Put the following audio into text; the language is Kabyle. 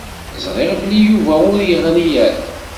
Ẓriɣ belli Yuba ur yeɣri ara.